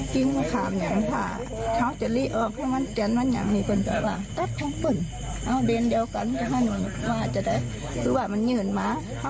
หรือว่ามันเหนื่อยมากเขาก็ต้องรีบของจริงไหมนะ